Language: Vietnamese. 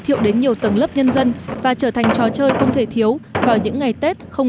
thiệu đến nhiều tầng lớp nhân dân và trở thành trò chơi không thể thiếu vào những ngày tết không